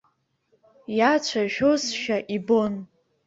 Иацәажәозшәа ибон.